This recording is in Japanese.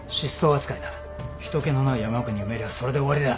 人けのない山奥に埋めりゃそれで終わりだ